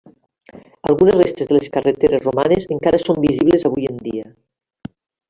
Algunes restes de les carreteres romanes encara són visibles avui en dia.